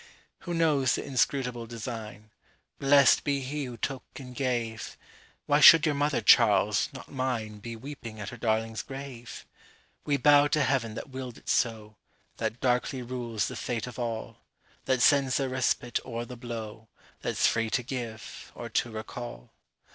Who knows the inscrutable design? Blessed be He who took and gave! Why should your mother, Charles, not mine, Be weeping at her darling's grave? We bow to Heaven that will'd it so, That darkly rules the fate of all. That sends the respite or the blow, That's free to give, or to recall.